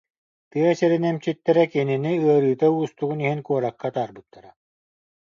Тыа сирин эмчиттэрэ кинини ыарыыта уустугун иһин куоракка атаарбыттара